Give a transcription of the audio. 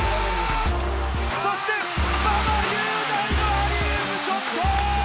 そして馬場雄大のアリウープショット！